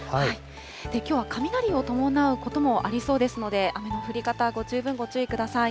きょうは雷を伴うこともありそうですので、雨の降り方、十分ご注意ください。